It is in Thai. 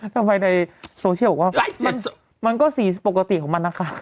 ทำไมในโซเชียลบอกว่ามันก็สีปกติของมันนะคะ